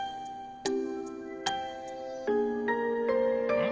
うん。